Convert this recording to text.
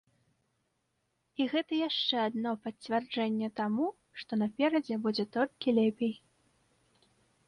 І гэта яшчэ адно пацвярджэнне таму, што наперадзе будзе толькі лепей.